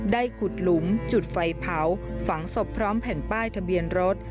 ขุดหลุมจุดไฟเผาฝังศพพร้อมแผ่นป้ายทะเบียนรถ